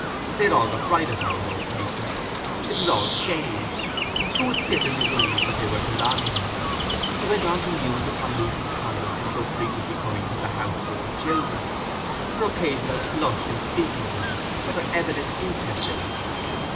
They had all got brighter for him, those papers. It was all changed—who would sit in the rooms that they were to line? He went on to muse upon Lucy's conduct in so frequently coming to the house with the children; her occasional blush in speaking to him; her evident interest in him.